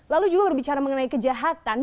lalu juga berbicara mengenai kejahatan